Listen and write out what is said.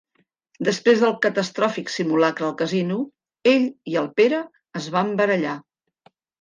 Després del catastròfic simulacre al casino ell i el Pere es van barallar.